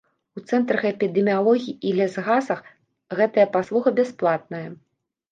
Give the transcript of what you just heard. У цэнтрах эпідэміялогіі і лясгасах гэтая паслуга бясплатная.